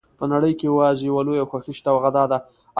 په نړۍ کې یوازې یوه لویه خوښي شته او هغه دا ده.